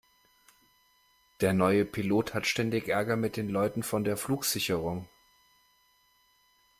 Der neue Pilot hat ständig Ärger mit den Leuten von der Flugsicherung.